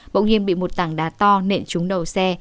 bỗng nhiên bị một tảng đá to nệm trúng đầu xe